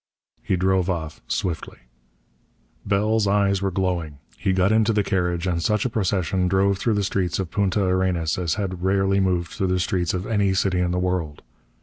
He drove off swiftly. Bell's eyes were glowing. He got into the carriage, and such a procession drove through the streets of Punta Arenas as has rarely moved through the streets of any city in the world.